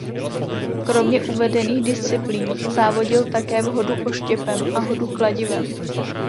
Kromě uvedených disciplín závodil také v hodu oštěpem a hodu kladivem.